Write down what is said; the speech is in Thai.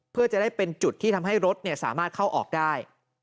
เพื่อจะได้เป็นจุดที่ทำให้รถสามารถเข้าออกได้